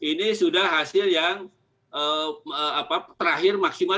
ini sudah hasil yang terakhir maksimal